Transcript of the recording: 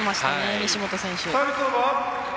西本選手。